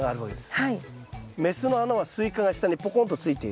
はい。